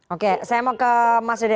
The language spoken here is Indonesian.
oke saya mau ke mas ude